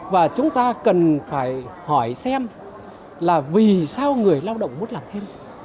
và chúng ta cần phải hỏi xem là vì sao người lao động muốn làm thêm